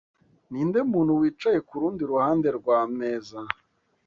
Ninde muntu wicaye kurundi ruhande rwameza?